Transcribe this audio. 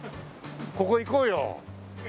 ここ行こうよ。